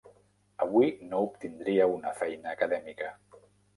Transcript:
Avui no obtindria una feina acadèmica.